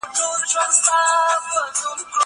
زه اجازه لرم چي درسونه لوستل کړم؟!